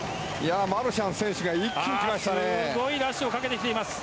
マルシャン選手が一気に来ましたね。